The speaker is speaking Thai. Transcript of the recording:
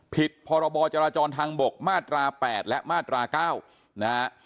ผิดพรบจราจรทางบกมาตรา๘และมาตรา๙นะฮะ